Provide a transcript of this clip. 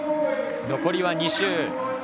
残りは２周。